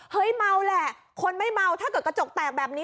เมาแหละคนไม่เมาถ้าเกิดกระจกแตกแบบนี้